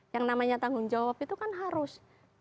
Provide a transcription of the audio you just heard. yang namanya tanggung jawab itu kan harus